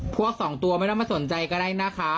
พวกสองตัวไม่ต้องมาสนใจก็ได้นะคะ